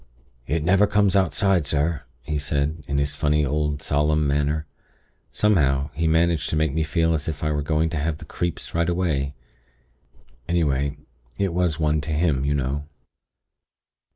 "'It never comes outside, sir,' he said, in his funny, old, solemn manner. Somehow, he managed to make me feel as if I were going to have the 'creeps' right away. Anyway, it was one to him, you know.